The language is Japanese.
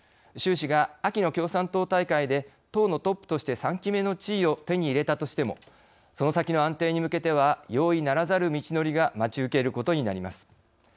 習氏が秋の共産党大会で党のトップとして３期目の地位を手に入れたとしてもその先の安定に向けては容易ならざる道のりが待ち受けることになります。